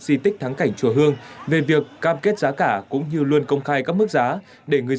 di tích thắng cảnh chùa hương về việc cam kết giá cả cũng như luôn công khai các mức giá để người